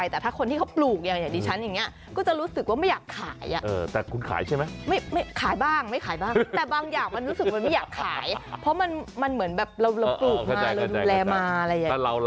แต่พี่ดาไนบอกไม่